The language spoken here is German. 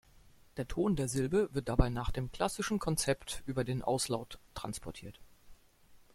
Der Ton der Silbe wird dabei nach dem klassischen Konzept über den Auslaut transportiert.